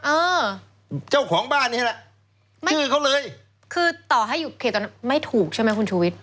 เออเจ้าของบ้านนี่แหละไม่ชื่อเขาเลยคือต่อให้หยุดเขตตอนนั้นไม่ถูกใช่ไหมคุณชูวิทย